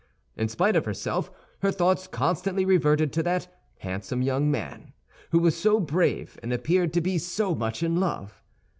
In spite of herself her thoughts constantly reverted to that handsome young man who was so brave and appeared to be so much in love.